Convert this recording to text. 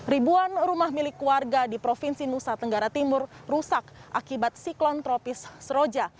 ribuan rumah milik warga di provinsi nusa tenggara timur rusak akibat siklon tropis seroja